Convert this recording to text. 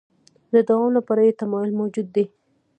د دوام لپاره یې تمایل موجود دی.